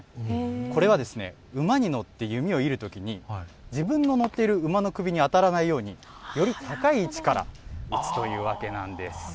これは、馬に乗って弓を射るときに自分の乗っている馬の首に当たらないようにより高い位置から打つというわけなんです。